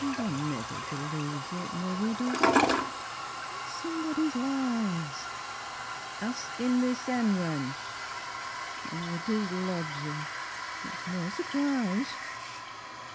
Tha niver believes it, mother, does ter? It's somebody's lies. Ax him thy sèn wench a widder's lodger; It's no surprise.